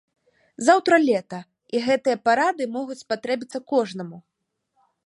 Заўтра лета, і гэтыя парады могуць спатрэбіцца кожнаму.